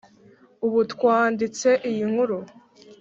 ubu twanditse iyi nkuru